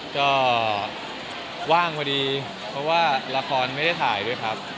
ก็ว่างพอดีเพราะว่าละครไม่ได้ถ่ายด้วยครับ